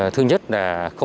thứ nhất là